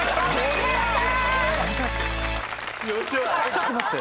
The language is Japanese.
ちょっと待って。